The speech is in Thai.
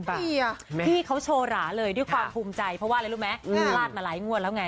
พี่เขาโชว์หราเลยด้วยความภูมิใจเพราะว่าอะไรรู้ไหมพลาดมาหลายงวดแล้วไง